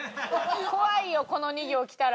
怖いよこの２行来たら。